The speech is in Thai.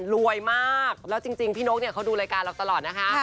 รวยมากแล้วจริงพี่นกเนี่ยเขาดูรายการเราตลอดนะคะ